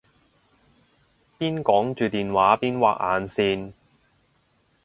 邊講住電話邊畫眼線